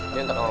ini untuk kamu